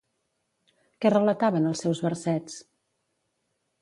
Què relataven els seus versets?